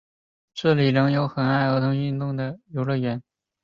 现在这里仍有很受儿童喜爱的游乐园。